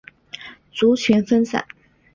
族群分散。